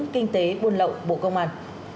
kinh tế buôn lậu bộ công an